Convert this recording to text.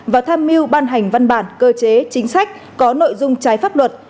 và tham mưu ban hành văn bản cơ chế chính sách có nội dung trái pháp luật